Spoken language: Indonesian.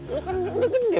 lu kan udah gede